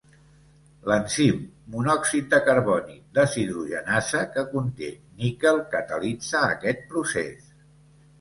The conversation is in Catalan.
L'enzim monòxid de carboni deshidrogenasa que conté níquel catalitza aquest procés.